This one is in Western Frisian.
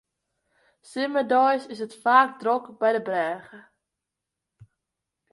Simmerdeis is it faak drok by de brêge.